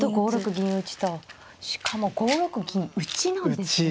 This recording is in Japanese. しかも５六銀打ちなんですね。